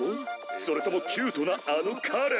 それともキュートなあの彼？